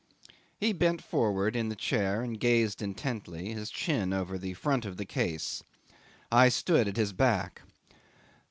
'He bent forward in the chair and gazed intently, his chin over the front of the case. I stood at his back.